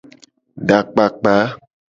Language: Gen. Edakpakpa.